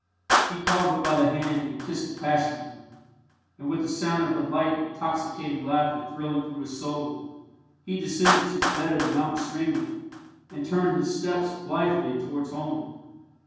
He caught her by the hand and kissed it passionately; and with the sound of her light, intoxicating laughter thrilling through his soul, he descended to the bed of the mountain streamlet, and turned his steps blithely towards home.